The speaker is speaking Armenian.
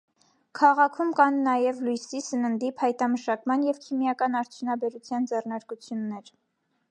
Քաղաքում կան նաև լույսի, սննդի, փայտամշակման և քիմիական արդյունաբերության ձեռնարկություններ։